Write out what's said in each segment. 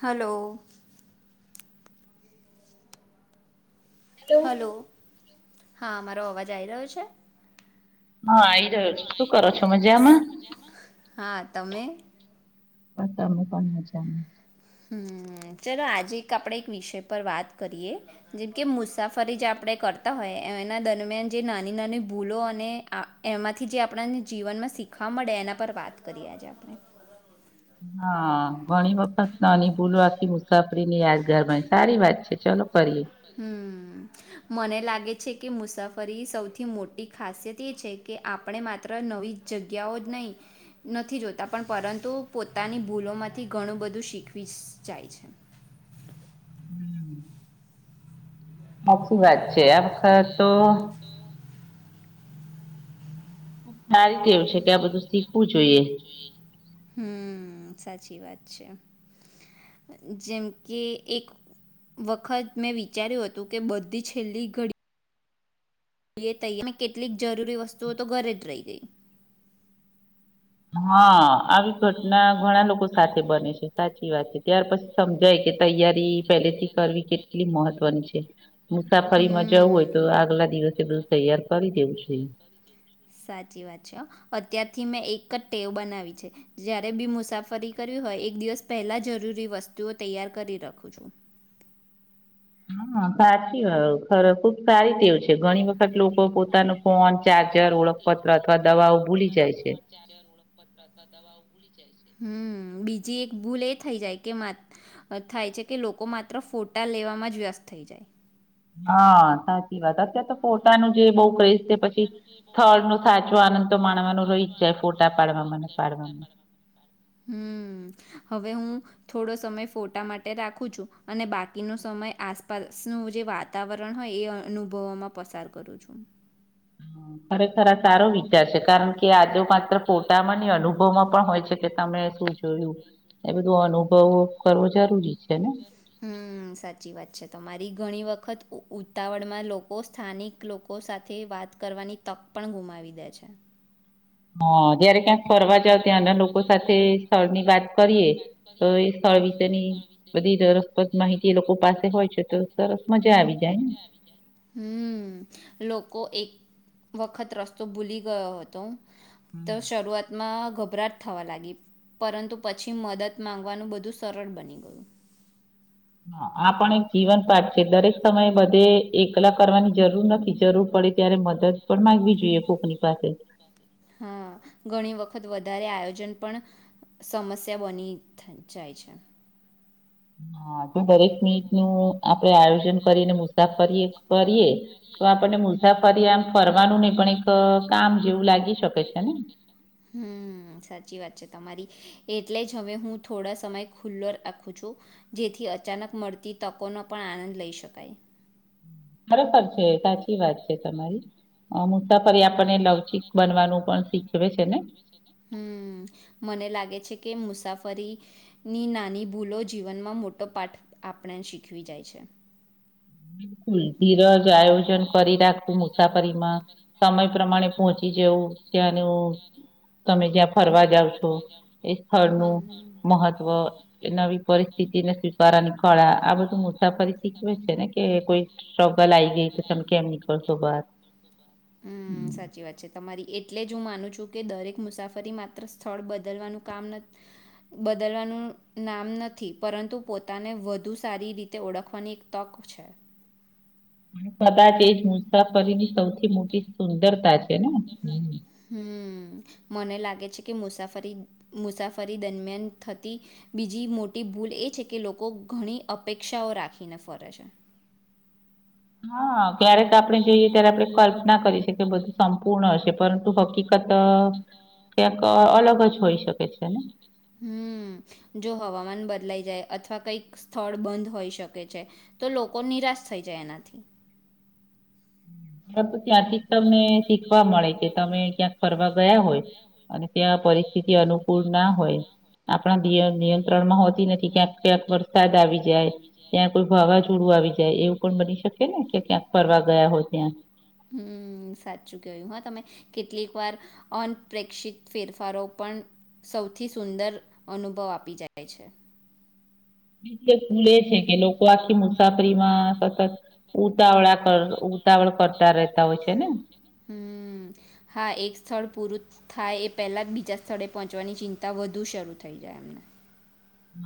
Hello. Hello. Hello હા મારો અવાજ આવી‌ રહ્યો છે,? હા એ શું કરો છો મજામાં? હા તમે. તમે પણ મજામાં? ચલો આજે એક આપણે એક વિષય પર વાત કરીએ જેમકે મુસાફરી જે આપણે કરતા હોય એના દરમિયાન જે નાની નાની ભૂલો અને એમાંથી જે આપણને જીવનમાં શીખવા મળે એના પર વાત કરીએ આજે આપણે. હા ઘણી વખત નાની ભૂલો આખી મુસાફરીની યાદગાર બને સારી વાત છે ચલો કરીએ. હમ મને લાગે લે છે કે મુસાફરી સૌથી મોટી ખાસિયત એ છે કે આપણે માત્ર નવી જગ્યાઓ નહી નથી જોતા પણ પરંતુ પોતાની ભૂલોમાંથી ઘણું બધું શીખવીસ જાય છે. સાચી વાત. છેે વખર તો ખબ સારી રીતે એવું છે કે આ બધું શીખવું જોઈએ. હમ સાચી વાત છે જેમ કે એક વખત મેં વિચાર્યું હતું કે બધી છેલ્લી ઘડી જોઈએ તૈયારમાં કેટલીક જરૂરી વસ્તુઓ તો ઘરે જ રહી ગઈ. હા આવી ઘટના ઘણા લોકો સાથે બને છે સાચી વાત છે ત્યાર પછી સમજાય કે તૈયારી પેલેથી કરવી કેટલી મહત્વની છે મુસાફરીમાં જવું હોય તો હમ્મ. આગલા દિવસે બધું તૈયાર કરી દેવું જોઈએ. થી મેં એક જ ટેવ બનાવી છે જ્યારે બી મુસાફરી કરવી હોય એક દિવસ પહેલા જરૂરી વસ્તુ જુઓ તૈયાર કરી રાખું છુ. હા સાચી ખુબ સારી તેવું છે ઘણી વખત લોકો પોતાનો ફોન ચાર્જ અત્યારે ઓળખપત્ર અથવા દવાઓ ભૂલી જાય છે. હમ બીજી એક ભૂલ એ થઇ જાય કે થાય છે કે લોકો માત્ર ફોટા લેવામાં જ વ્યસ્ત થઇ જાય. હા સાચી વાત અત્યારે તો ફોટાનું જે બઉ ક્રેઝ છે [unintelligible] પછી સ્થળ નો સાચો આનંદ તો માણવાનો રહી જ જાય ફોટા પાડવામાં અને પાડવામાં હમ હવે હુ થોડો સમય ફોટા માટે રાખું છું અને બાકીનો સમય આસપાસનું જે વાતાવરણ હોય એ અનુભવમાં પસાર કરું છું. હ ખરે ખરા સારો વિચાર છે કારણ કે આજે માત્ર ફોટામાં અનુભવમાં પણ હોય છે કે તમે શું જોયું એ બધું અનુભવ પાઓક કરવો જરૂરી છે ને. હમ સાચી વાત છે તમારી ઘણી વખત ઉતાવળમાં લોકો સ્થાનિક લોકો સાથે વાત કરવાની તક પણ ગુમાવી દે છે. હા જયારે ક્યાંક ફરવા જાવ ત્યાંના લોકો સાથે સ્થળની વાત કરીએ તો એ સ્થળ વિશેની બધી રસપ્રદ માહિતી એ લોકો પાસે હોય છે તો સરસ મજા આવી જાય ને. હમ લોકો એક વખત રસ્તો ભૂલી ગયો હતો. તો હમ શરૂઆતમાં. ગભરાટ થવા લાગી પરંતુ પછી મદદ માગવાનું બધું સરળ બની ગયું. હ આ પણ એક જીવન પાઠ છે દરેક સમયે બધે એકલા કરવાની જરૂર નથી જરૂર પડે ત્યારે મદદ પણ માંગવી જોઈએ કોકની પાસે. હા ઘણી વખત વધારે આયોજન પણ સમસ્યા બની જાય છે. હા તું બરી. નીટ નું આપડે આયુ. કરીને મુસાફરીએ કરીએ તો આપણને મુસાફરી આમ ફરવાનું નહી પણ એક કામ જેવું લાગી શકે છે ને. હમ સાચી વાત છે તમારી એટલે જ હવે હું થોડા સમય ખુલ્લો રાખું છું જેથી અચાનક મળતી તકોનો પણ આનંદ લઈ શકાય. ખરેખર છે સાચી વાત છે તમારી મુસાફરી આપણને લવચક બનવાનું પણ શીખવે છે ને. હમ મને લાગે છે કે મુસાફરીની નાની ભૂલો જીવનમાં મોટો પાઠ આપણે શીખવી જાય છે. બિલકુલ ધીરજ આયોજન કરી રાખવું. મુસાફરીમાં સમય પ્રમાણે પહોંચી જવું ત્યાંનું તમે જ્યાં ફરવા જાવ છો. એ હમ. સ્થળનું મહત્વ મહત્વ. એ નવી પરિસ્થિતિ ને સ્વીકારવાની કળા આ બધું મુસાાફરી શીખવે છે ને. કે કોઈ શોગ લ આઈ ને ગઈ કે તમે કેમ નીકળશો બાર. હમ સાચી વાત છે તમારી. એટલે જ હું માનું છું કે દરેક મુસાફરી માત્ર સ્થળ બદલવાનું કામ બદલવાનું નામ નથી પરંતુ પોતાને વધુ સારી રીતે ઓળખવાની એક તક છે. પદાચ એ જ. મુસાફરી ની સૌથી મોટી સુંદરતા છે. [unintelligible] હમ મને લાગે છે કે મુસાફરી મુસાફરી દરમિયાન થતી બીજી મોટી ભૂલ એ છે કે લોકો ઘણી અપેક્ષાઓ રાખીને ફરે છે. હા. ક્યારેક આપણે જઈએ ત્યારે આપણે કલ્પના કરી શકીએ બધું સંપૂર્ણ હશે પણ. હકીકત ક્યાંક અલગ જ હોઈ શકે છે ને. હમ જો હવામાન બદલાઈ જાય અથવા કંઈક સ્થળ બંધ હોઈ શકે છે તો લોકો નિરાશ થઈ જાય એનાથી. [unintelligible] ત્યાંથી તમને શીખવા મળે છે તમે. ક્યાંક ફરવા ગયા હોય અને ત્યાં પરિસ્થિતિ અનુકૂળ ના હોય આપણા નિયંત્રણ માં હોતી નથી ક્યાંક ક્યાંક વરસાદ આવી જાય ત્યાં કોઈ વાવાઝોડું આવી જાય એવું પણ બની શકે ને કે ક્યાંક ફરવા. ગયા હોય ત્યાં. હમ સાચું કયું હા તમે કેટલીક વાર અનપેક્ષિત ફેરફારો પણ સૌથી સુંદર અનુભવ આપી જાય છે. [unintelligible] ભૂલ એ છે કે લોકો આખી મુસાફરીમાં સતત. ઉતાવળા કર ઉતાવળ કરતા રહેતા હોય છે ને? હમ હા એક સ્થળ પૂરું થાય એ પેલા જ બીજા સ્થળે પહોંચવાની ચિંતા વધુ શરૂ થઈ જાય એમને.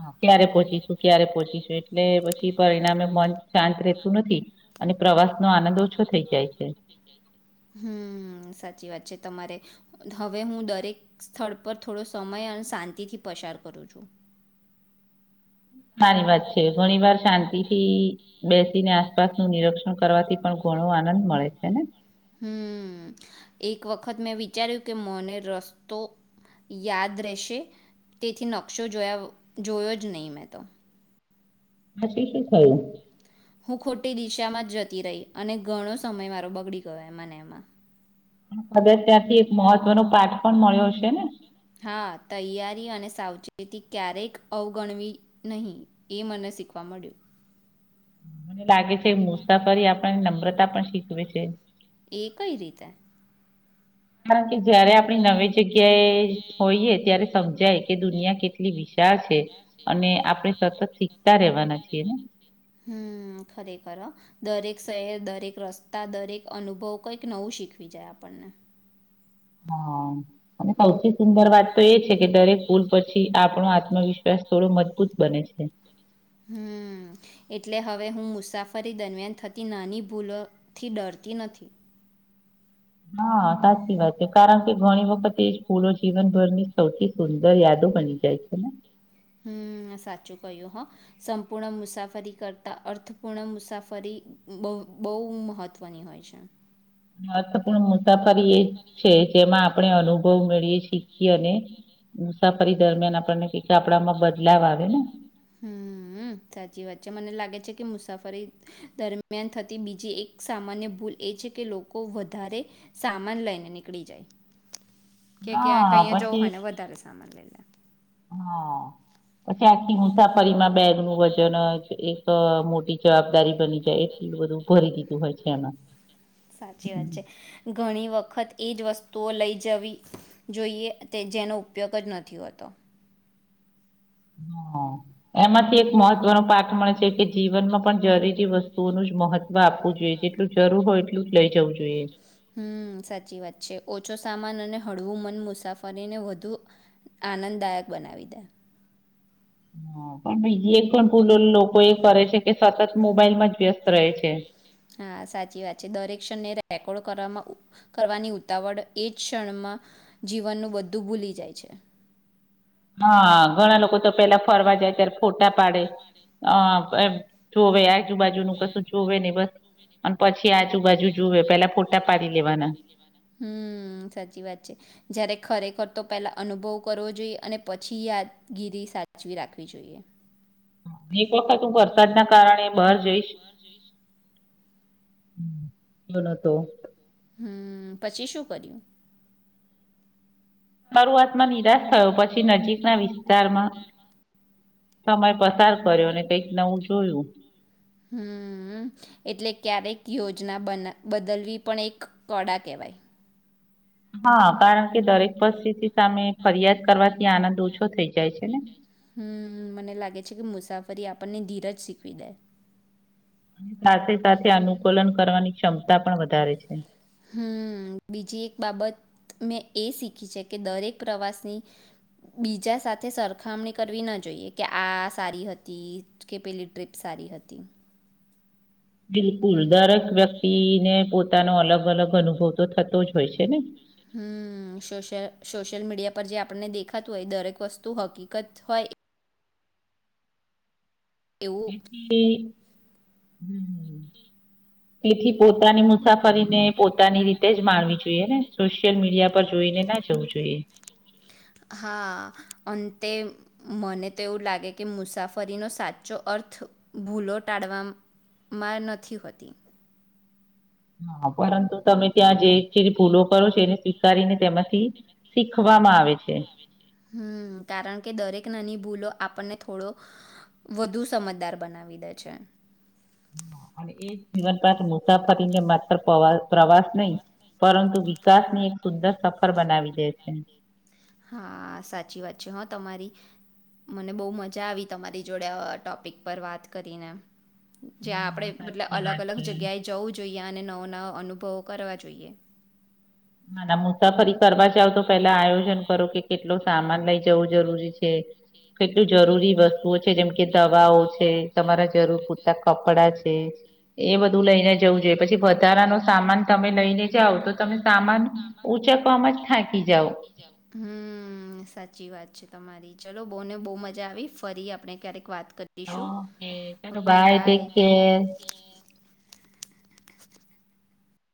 હા. ક્યારે પહોચીશું ક્યારે પહોચીશ એટલે પછી પરિણામે મન શાંત રતું નથી અને પ્રવાસ નો આનંદ ઓછો થઈ જાય છે. હમ સાચી વાત છે તમારે હવે હું દરેક સ્થળ પર થોડો સમય અને શાંતિથી પસાર કરું છું. હમ. સારી વાત છે ઘણી વાર શાંતિ થી બેસીને આસપાસનું નિરીક્ષણ કરવાથી પણ ઘણો આનંદ મળે છે ને? હમ એક વખત મેં વિચાર્યું કે મને રસ્તો યાદ રહેશે તેથી નકશો જોયા જોયો જ નહી મેં તો પછી શું થયું? હું ખોટી દિશામાં જતી રહી અને ઘણો સમય મારો બગડી ગયો એમા ને એમાં. [inaudible] ત્યારથી એક મહત્વનો પાઠ પણ મળ્યો છે છે ને? હા તૈયારી અને સાવચેતી ક્યારેક અવગણવી નહી એ મને શીખવા મળ્યું. મને લાગે છે મુસાફરી આપણ નમ્રતા આપણ શીખવે છે. કે એ કઈ રીતે? [unintelligible] જયારે આપણી નવી જગ્યાએ હોઈએ ત્યારે સમજાય કે દુનિયા કેટલી વિશાળ છે. અને આપણે સતત શીખતા રહેવાના છીએ ને. હમ ખરેખર દરેક શહેર દરેક રસ્તા દરેક અનુભવ કઈક નવું શીખવી જાય આપણને. હા અને સૌથી સુંદર વાત તો એ જ કે દરેક ભૂલ પછી આપણો આત્મવિશ્વાસ અ થોડો મજબૂત બને છે. હમ એટલે હવે હું મુસાફરી દરમિયાન થતી નાની ભૂલોથી ડરતી નથી. હા સાચી વાત છે કારણ કે ઘણી વખત એ ફૂલો જીવનભરની સૌથી સુંદર યાદો બની જાય છે ને? હમ સાચું કહ્યું હ સંપૂર્ણ મુસાફરી કરતા અર્થપૂર્ણ મુસાફરી બહુ મહત્વની હોય છે. હ તો પણ મુસાફરી એ છે જેમાં આપણે અનુભવ મેળીએ છીએ અને મુસાફરી દરમિયાન આપણને ક આપડામાં બદલાવ આવે ને. હમ સાચી વાત છે મને લાગે છે કે મુસાફરી દરમિયાન થતી બીજી એક સામાન્ય ભૂલ એ છે કે લોકો વધારે સામાન લઈને નીકળી જાય કે ક્યાં હા કહીયા જવું પછી હોય ને વધારે સામાન લઈ લે. હા. પછી આખી મુસાફરીમાં બેગનું વજન એક મોટી જવાબદારી બની જાય એટલું બધું ભરી દીધું હોય છે એમાં. સાચી વાત છે. ઘણી વખત એ જ વસ્તુઓ લઈ જવી જોઈએ તે જેનો ઉપયોગ જ નથી હોતો. હા. એમાંથી એક મહત્વનો પાઠ મળે છે કે જીવનમાં પણ જરી જે વસ્તુઓનું જ મહત્વ આપવું જોઈએ, જેટલું જરૂર હોય એટલું જ લઇ જવું જોઈએ. હમ, સાચી વાત છે. ઓછો સામાન અને હળવું મન મુસાફરીને વધુ આનંદદાયક બનાવી દે. હ, પણ બીજી એક સેમ ભૂલ લો લોકો એ કરે છે કે, સતત મોબાઈલમાં જ વ્યસ્ત રહે છે. હા, સાચી વાત છે. દરેક ક્ષણને રેકોર્ડવામાં કરવામાં ઉપ કરવાની ઉતાવળ એજ ક્ષણમાં જીવનનું બધું ભૂલી જાય છે. હા, ઘણા લોકો તો પેલા ફરવા જાય ત્યારે ફોટા પાડે અ એભ જોવે આજુબાજુનું કશું જોવે ને બસ અન પછી આજુબાજુ જોવે પેલા ફોટા પાડી લેવાના. હમ્મ, સાચી વાત છે. જયારે ખરેખર તો પેલા અનુભવ કરવો જોઈએ, અને પછી યાદગીરી સાચવી રાખવી જોઈએ. એક વખત હું વરસાદના કારણે બહાર જઈશ. હમ, એ નતો. હમ્મ, પછી શું કર્યું? શરૂઆતમાં નિરાશ થયો, પછી નજીકના વિસ્તારમાં સમય પસાર કર્યો અને કઈક નવું જોયું. હમ્મ, એટલે ક્યારેક યોજના બના બદલવી પણ એક કળા કહેવાય. હા, કારણ કે દરેક પરસ્થિતી સામે ફરિયાદ કરવાથી આનંદ ઓછો થઈ જાય છે ને. હમ્મ, મને લાગે છે કે મુસાફરી આપણને ધીરજ શીખવી દે. સાથે સાથે અનુકૂલન કરવાની ક્ષમતા પણ વધારે છે. હમ્મ, બીજી એક બાબત મેં એ શીખી છે કે, દરેક પ્રવાસની બીજા સાથે સરખામણી કરવી ના જોઈએ કે, આ સારી હતી કે, પેલી ટ્રીપ સારી હતી. બિલકુલ. દરેક વ્યક્તિને પોત તાનો અલગ અલગ અનુભવ તો થતો જ હોય છે ને. હમ્મ, સોશ્ય સોશ્યલ મીડિયા પર જે આપણને દેખાતું હોય દરેક વસ્તુ હકીકત હોય એવું એથી હમ, તેથી પોતાની મુસાફ કરીને પોતાની રીતે જ માણવી જોઈએ ને, સોશિયલ મીડિયા પર જોઈને ના જવું જોઈએ. તે મને તો એવું લાગે કે મુસાફરીનો સાચો અર્થ ભૂલો ટાળવામ માં નથી હોતી. હ, પરંતુ તમે ત્યાં જે જેજે ભૂલો કરો છો, એને સ્વીકારીને તેમાંથી શીખવામાં આવે છે. હમ્મ, કારણ કે દરેક નાની ભૂલો આપણને થોડો વધુ સમજદાર બનાવી દે છે. અને એ જીવનપાંત મુસાફરીને માત્ર પ્રવા પ્રવાસ નહી, પરંતુ વિકાસની એક સુંદર સફર બનાવી દે છે. હા, સાચી વાત છે હા તમારી. મને બહુ મજા આવી તમારી જોડે આ ટોપિક પર વાત કરીને. જ્યા આપડે હા મતલબ સાચી અલગ વાત અલગ છે. જગ્યાએ જવું જોઈએ અને નવો નવો અનુભવો કરવા જોઈએ. ના ના મુસાફરી કરવા જાવ તો પેલા આયોજન કરો કે કેટલો સામાન લઈ જવું જરૂરી છે, કેટલું જરૂરી વસ્તુઓ છે જેમ કે, દવાઓ છે તમારા જરૂર પૂરતા કપડા છે, એ બધું લઈને જવું જોઈએ, પછી વધારાનો સામાન તમે લઈને જાઓ તો તમે સામાન ઉચકવામાં જ થાંકી જાઓ. હમ, સાચી વાત છે તમારી. ચલો, બોહને બહું મજા આવી. ફરી આપડે ક્યારેક વાત કરીશું. ઓકે ચલો ઓકે, ટેક બાય. કેર